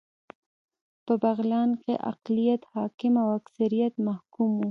په بغلان کې اقليت حاکم او اکثريت محکوم و